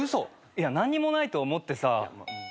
いや何にもないと思ってさ。